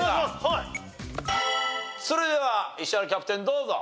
それでは石原キャプテンどうぞ。